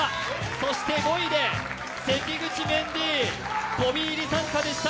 そして５位で関口メンディー、飛び入り参加でした。